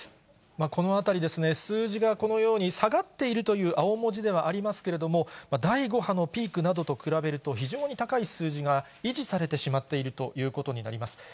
この辺りですね、数字がこのように下がっているという青文字ではありますけれども、第５波のピークなどと比べると、非常に高い数字が維持されてしまっているということになります。